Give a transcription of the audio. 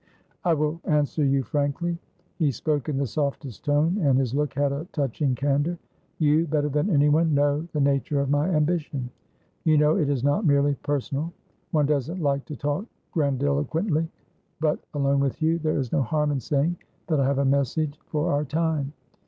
"I will answer you frankly." He spoke in the softest tone and his look had a touching candour. "You, better than anyone, know the nature of my ambition. You know it is not merely personal. One doesn't like to talk grandiloquently, but, alone with you, there is no harm in saying that I have a message for our time.